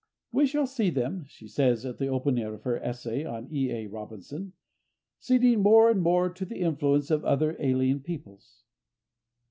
"We shall see them," she says at the opening of her essay on E. A. Robinson, "ceding more and more to the influence of other, alien, peoples...."